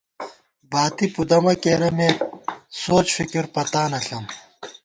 باتی پُدَمہ کېرَمېت سوچ فکِر پتانہ ݪم